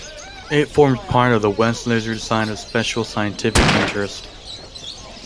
It forms part of the West Lizard Site of Special Scientific Interest.